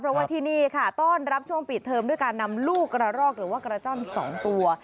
เพราะว่าที่นี่ค่ะต้อนรับช่วงปิดเทอมด้วยการนำลูกกระรอกหรือว่ากระจ้อน๒ตัว